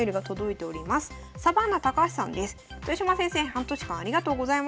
半年間ありがとうございました。